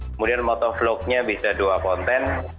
kemudian motovlognya bisa dua konten